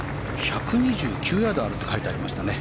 １２９ヤードあるって書いてありましたね。